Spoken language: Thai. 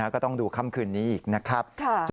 ก็ต้องดูค่ำคืนนี้อีกนะครับ